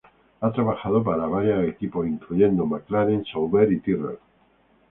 Ha trabajado para varios equipos, incluyendo McLaren, Sauber y Tyrrell.